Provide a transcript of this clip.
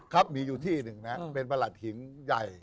ครับมีอยู่ที่หนึ่งนะเป็นประหลัดหินใหญ่